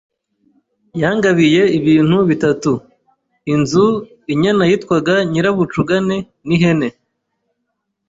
Yangabiye ibintu bitatu: inzu, inyana yitwaga nyirabucugane n’ihene.